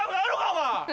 お前。